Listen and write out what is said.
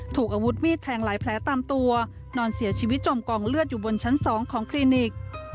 ถูกอาวุธมีดแทงหลายแผลตามตัวนอนเสียชีวิตจมกองเลือดอยู่บนชั้น๒ของคลินิก